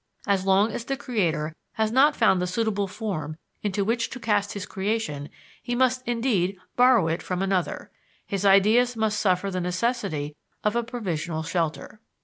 As long as the creator has not found the suitable form into which to cast his creation he must indeed borrow it from another; his ideas must suffer the necessity of a provisional shelter.